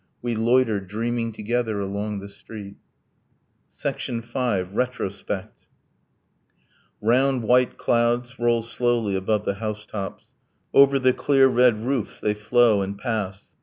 We loiter, dreaming together, along the street. V. RETROSPECT Round white clouds roll slowly above the housetops, Over the clear red roofs they flow and pass.